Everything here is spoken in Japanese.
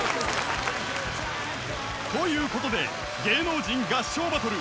［ということで『芸能人合唱バトル』